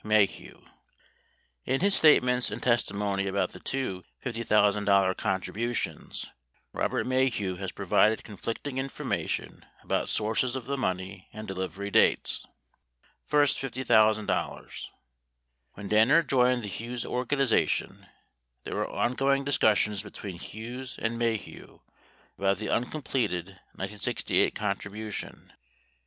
MAHETT In his statements and testimony about the two $50,000 contributions, Robert Maheu has provided conflicting information about sources of the money and delivery dates. First $.50,000 : When Danner joined the Hughes organization there were on going discussions between Hughes and Maheu about the un completed 1968 contribution.